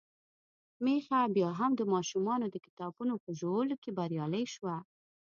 ميښه بيا هم د ماشومانو د کتابونو په ژولو کې بريالۍ شوه.